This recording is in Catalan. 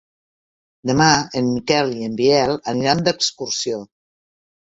Demà en Miquel i en Biel aniran d'excursió.